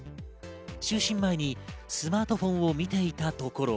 就寝前にスマートフォンを見ていたところ。